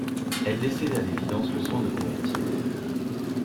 Elle laissait à l'évidence le soin de convertir.